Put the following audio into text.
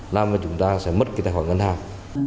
làm với chúng ta sẽ mất tài khoản ngân hàng